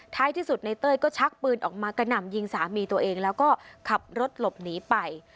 ที่สุดในเต้ยก็ชักปืนออกมากระหน่ำยิงสามีตัวเองแล้วก็ขับรถหลบหนีไป